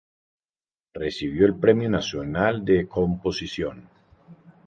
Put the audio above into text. Recibió el Premio Nacional de Composición.